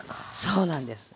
そうなんです。